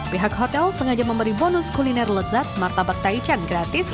pihak hotel sengaja memberi bonus kuliner lezat martabak taichan gratis